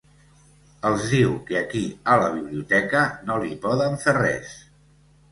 Els diu que aquí a la biblioteca no li poden fer res.